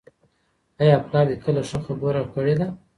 آیا پلار دې کله ښه خبره کړې ده؟